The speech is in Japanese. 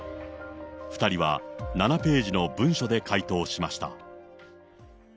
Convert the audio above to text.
２人は７ページの文書で回答しました。